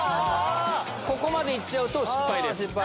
ここまでいっちゃうと失敗です。